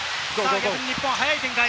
日本は早い展開。